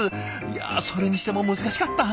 いやそれにしても難しかった。